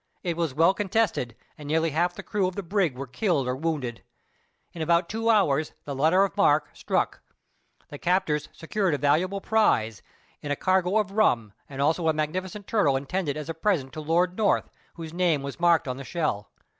It was well contested, and nearly half the crew of the brig were killed or wounded. In about two hours the letter of marque struck. The captors secured a valuable prize, in a cargo of rum, and also a magnificent turtle intended as a present to Lord North, whose name was marked on the shell.